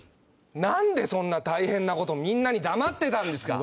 何でそんな大変なことみんなに黙ってたんですか！